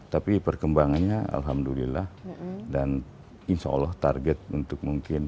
tapi perkembangannya alhamdulillah dan insya allah target untuk mungkin